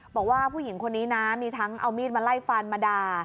บอกว่าผู้หญิงคนนี้นะมีทั้งเอามีดมาไล่ฟันมาด่า